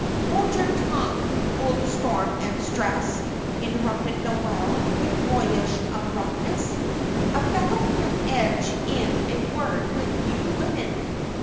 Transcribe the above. "Hold your tongue, old Storm and Stress!" interrupted Noel, with boyish abruptness. "A fellow can't edge in a word with you women.